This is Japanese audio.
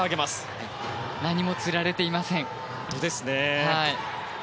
何もつられていません。